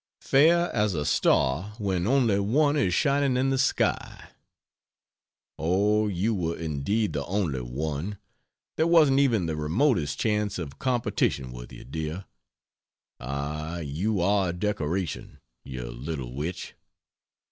"Fair as a star when only one Is shining in the sky." Oh, you were indeed the only one there wasn't even the remotest chance of competition with you, dear! Ah, you are a decoration, you little witch!